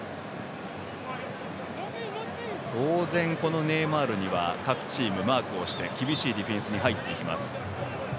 当然、ネイマールには各チームマークをして厳しいディフェンスに入っていきます。